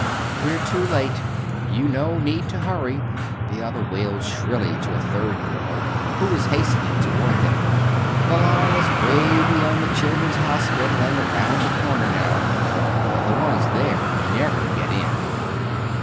"We're too late you no need to hurry!" the other wailed shrilly to a third girl who was hastening toward them. "The line is 'way beyond the Children's Hospital and around the corner now and the ones there never get in!"